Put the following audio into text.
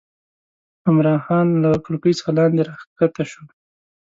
عمرا خان له کړکۍ څخه لاندې راکښته شو.